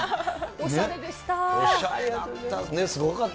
おしゃれだった。